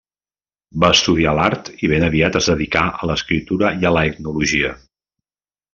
Va estudiar l'art i ben aviat es dedicà a l'escriptura i a l'etnologia.